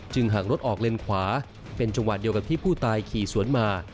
หากรถออกเลนขวาเป็นจังหวะเดียวกับที่ผู้ตายขี่สวนมา